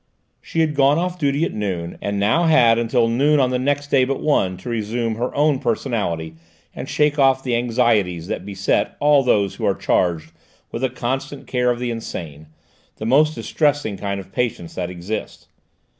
She had gone off duty at noon, and now had until noon on the next day but one to resume her own personality and shake off the anxieties that beset all those who are charged with the constant care of the insane, the most distressing kind of patients that exists.